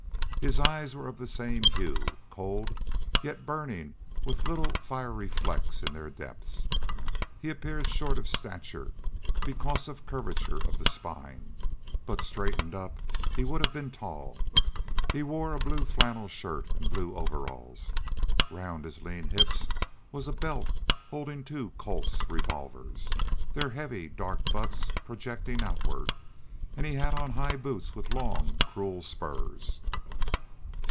His eyes were of the same hue, cold yet burning with little fiery flecks in their depths. He appeared short of stature because of a curvature of the spine, but straightened up he would have been tall. He wore a blue flannel shirt, and blue overalls; round his lean hips was a belt holding two Colt's revolvers, their heavy, dark butts projecting outward, and he had on high boots with long, cruel spurs.